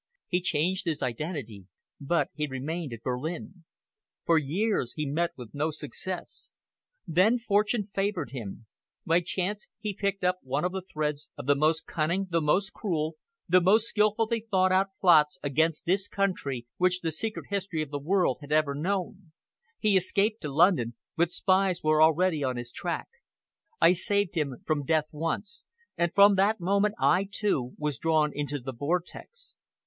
He changed his identity, but he remained at Berlin. For years he met with no success. Then fortune favored him. By chance he picked up one of the threads of the most cunning, the most cruel, the most skilfully thought out plots against this country which the secret history of the world had ever known. He escaped to London, but spies were already on his track. I saved him from death once, and from that moment I, too, was drawn into the vortex.